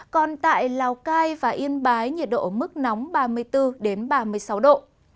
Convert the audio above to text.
còn tại lào cai và yên bái nhiệt độ mức nóng ba mươi bốn ba mươi sáu độ